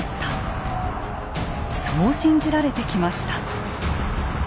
そう信じられてきました。